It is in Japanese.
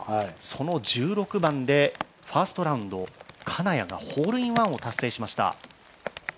その１６番でファーストラウンド、金谷がホールインワンを達成しました。